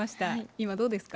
今どうですか。